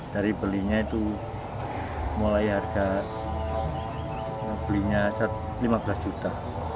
dari belinya itu mulai harga belinya lima belas juta